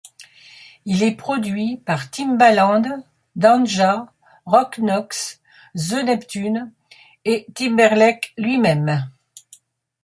Il est produit par Timbaland, Danja, Rob Knox, The Neptunes et Timberlake lui-même.